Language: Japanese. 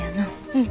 うん。